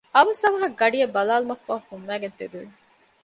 އަވަސް އަވަހަށް ގަޑިއަށް ބަލާލުމަށްފަހު ފުންމައިގެން ތެދުވި